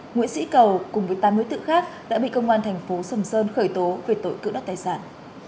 nguyễn sĩ cầu cùng với tám người tự khác đã bị công an thành phố sầm sơn khởi tố về tội cựu đất tài sản